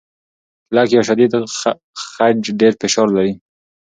کلک یا شدید خج ډېر فشار لري.